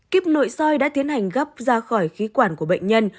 kíp nội soi đã tiến hành gấp ra khỏi khí quản của bệnh nhân